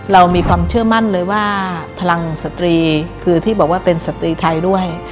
เรามีความเชื่อมั่นเลยว่าพลังสตรีคือที่บอกว่าเป็นสตรีไทยด้วย